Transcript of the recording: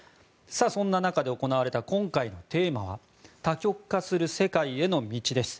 そんな中で行われた今回のテーマは多極化する世界への道です。